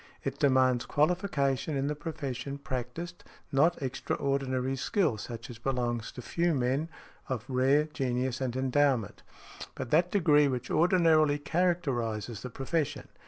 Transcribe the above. It demands qualification in the profession practised, not extraordinary skill such as belongs to few men of rare genius and endowment, but that degree which ordinarily characterizes the profession.